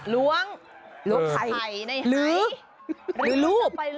ล้วงลูบไข่ในไฮ